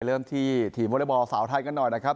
เริ่มที่ทีมวอเล็กบอลสาวไทยกันหน่อยนะครับ